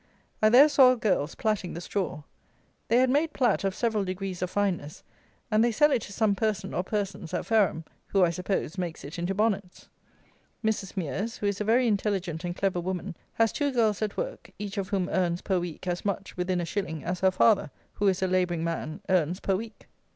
I there saw girls platting the straw. They had made plat of several degrees of fineness; and they sell it to some person or persons at Fareham, who, I suppose, makes it into bonnets. Mrs. Mears, who is a very intelligent and clever woman, has two girls at work, each of whom earns per week as much (within a shilling) as her father, who is a labouring man, earns per week.